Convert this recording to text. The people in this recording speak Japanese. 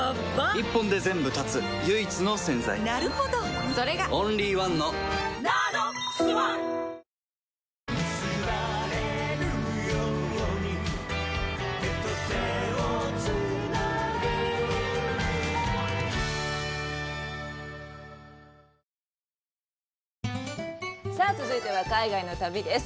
一本で全部断つ唯一の洗剤なるほどそれがオンリーワンの「ＮＡＮＯＸｏｎｅ」さあ続いては海外の旅です。